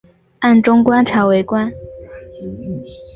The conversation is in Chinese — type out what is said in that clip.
暗中观察围观